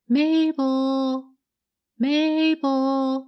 "Mabel! Mabel!"